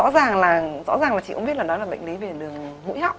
rõ ràng là chị cũng biết là đó là bệnh lý về lường mũi